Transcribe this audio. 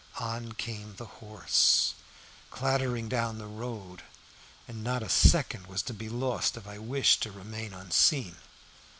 On came the horse clattering down the road, and not a second was to be lost if I wished to remain unseen.